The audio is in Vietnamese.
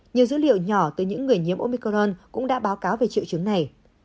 nhiều dữ liệu nhỏ từ những người nhiễm omicron cũng đã báo cáo về triệu chứng này